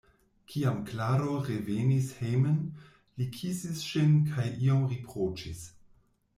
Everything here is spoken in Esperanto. Kiam Klaro revenis hejmen, li kisis ŝin kaj iom riproĉis.